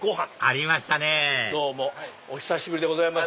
ありましたねどうもお久しぶりでございます。